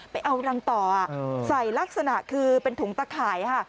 ไปเอารังต่อใส่ลักษณะคือเป็นถุงตะข่ายค่ะ